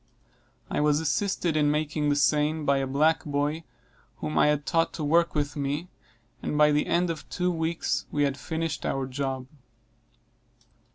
I was assisted in making the seine by a black boy, whom I had taught to work with me; and by the end of two weeks we had finished our job.